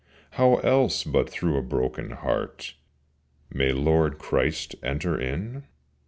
How else but through a broken heart May Lord Christ enter in?